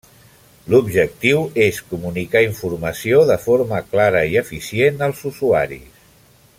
L'objectiu és comunicar informació de forma clara i eficient als usuaris.